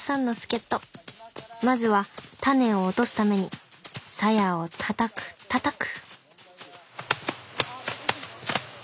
まずはタネを落とすためにサヤをたたくたたく！